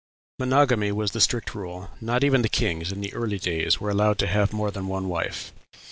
Monogamy was the strict rule; not even the kings, in the early days, were allowed to have more than one wife.